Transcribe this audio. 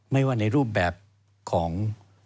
ไม่ว่าในรูปแบบของ